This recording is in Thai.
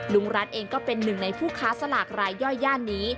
ลุงรัฐเองก็เป็นหนึ่งในผู้ค้าสลากรายย่อยย่านนี้